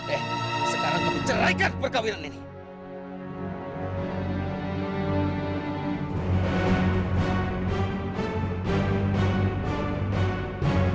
eh sekarang kamu cerai kan perkahwinan ini